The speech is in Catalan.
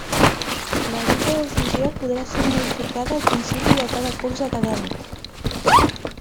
La dita decisió podrà ser modificada al principi de cada curs acadèmic.